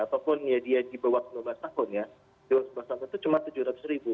ataupun ya dia di bawah dua belas tahun ya dua belas tahun itu cuma rp tujuh ratus